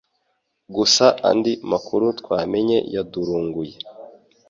gusa andi makuru twamenye yadurunguye